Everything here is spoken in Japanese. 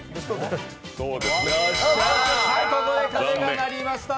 ここで鐘が鳴りました。